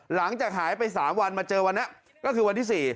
หลังจากหายไป๓วันมาเจอวันนี้ก็คือวันที่๔